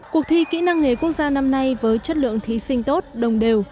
cuộc thi kỹ năng nghề quốc gia năm nay với chất lượng thí sinh tốt đồng đều